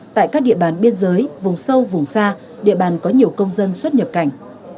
tại các địa bàn biên giới vùng sâu vùng xa địa bàn có nhiều công dân xuất nhập cảnh